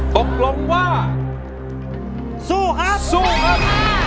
ตกลงว่าสู้ฮะสู้ครับ